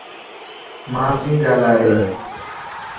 مان سي گالائي